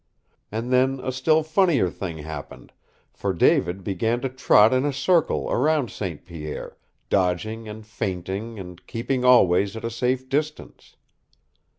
And then a still funnier thing happened, for David began to trot in a circle around St. Pierre, dodging and feinting, and keeping always at a safe distance.